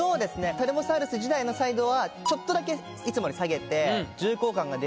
タルボサウルス自体の彩度はちょっとだけいつもより下げて。